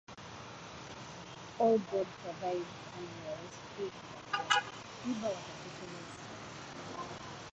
All aboard survived and were rescued, but the "Cuba" was a total loss.